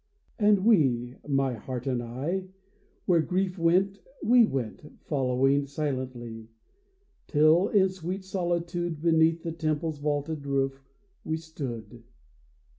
And we — my Heart and I — Where Grief went, we went, following silently, Till in sweet solitude Beneath the temple's vaulted roof we stood.